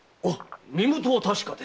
身元は確かです。